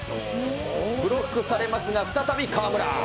ブロックされますが、再び川村。